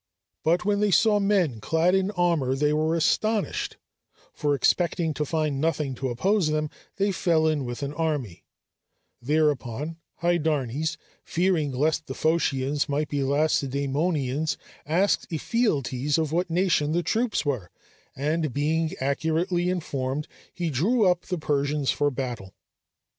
But when they saw men clad in armor they were astonished, for, expecting to find nothing to oppose them, they fell in with an army; thereupon Hydarnes, fearing lest the Phocians might be Lacedæmonians, asked Ephialtes of what nation the troops were, and being accurately informed, he drew up the Persians for battle.